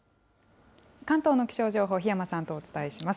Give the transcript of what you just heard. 関東の気象情報、檜山さんとお伝えします。